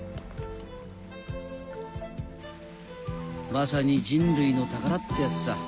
まさに人類の宝ってやつさ。